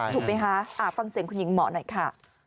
ถูกไหมคะฟังเสียงคุณหญิงหมอหน่อยค่ะ